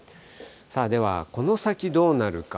では、この先どうなるか。